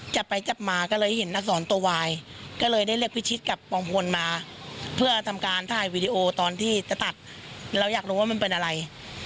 จับไปจับมาก็เลยเห็นอักษรตัววายก็เลยได้เรียกพิชิตกับปองพลมาเพื่อทำการถ่ายวีดีโอตอนที่จะตัดเราอยากรู้ว่ามันเป็นอะไร